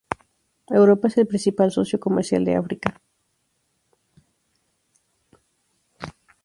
Europa es el principal socio comercial de África.